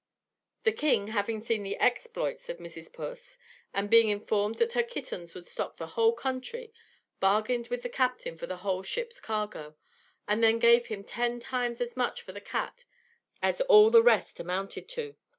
The King, having seen the exploits of Mrs. Puss, and being informed that her kittens would stock the whole country, bargained with the captain for the whole ship's cargo, and then gave him ten times as much for the cat as all the rest amounted to.